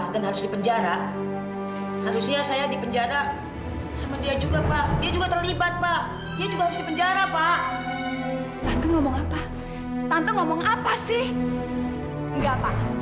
tak ada keupossesan dalam langkah mewakili diri saya